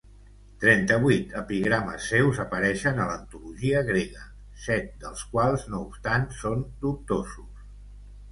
Trenta-vuit epigrames seus apareixen a l'antologia grega, set dels quals no obstant són dubtosos.